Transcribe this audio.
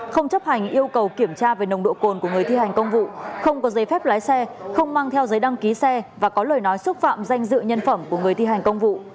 không chấp hành yêu cầu kiểm tra về nồng độ cồn của người thi hành công vụ không có giấy phép lái xe không mang theo giấy đăng ký xe và có lời nói xúc phạm danh dự nhân phẩm của người thi hành công vụ